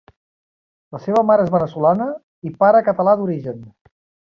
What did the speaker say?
La seva mare és veneçolana i pare català d'origen.